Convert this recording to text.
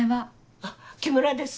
あっ木村です。